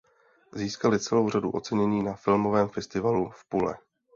Získaly celou řadu ocenění na Filmovém festivalu v Pule.